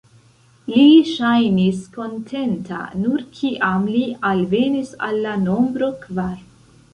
Li ŝajnis kontenta, nur kiam li alvenis al la nombro kvar.